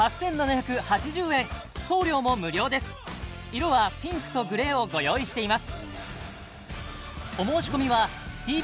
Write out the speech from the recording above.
色はピンクとグレーをご用意しています